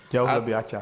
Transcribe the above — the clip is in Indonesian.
jauh lebih ajak